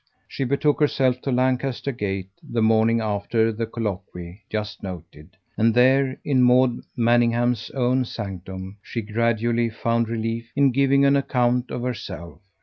She betook herself to Lancaster Gate the morning after the colloquy just noted; and there, in Maud Manningham's own sanctum, she gradually found relief in giving an account of herself.